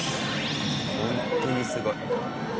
ホントにすごい。